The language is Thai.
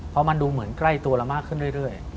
เพราะมันดูเหมือนใกล้ตัวเรามากขึ้นเรื่อย